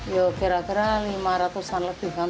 ya kira kira lima ratus an lebih